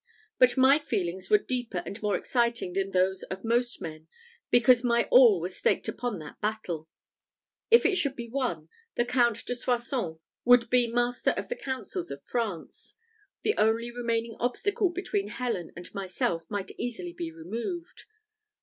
But my feelings were deeper and more exciting than those of most men, because my all was staked upon that battle. If it should be won, the Count de Soissons would be master of the councils of France: the only remaining obstacle between Helen and myself might easily be removed.